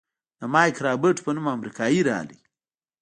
د مايک رابرټ په نوم امريکايي راغى.